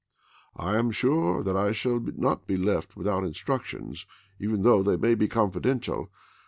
I am sure that I shall not be left without instructions, even though they may be confidential.